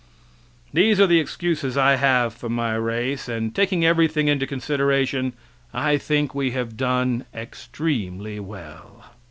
These are the excuses I have for my race, and taking everything into consideration, I think we have done extremely well.